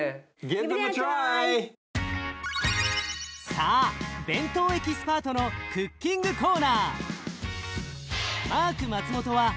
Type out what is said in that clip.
さあ弁当エキスパートのクッキングコーナー。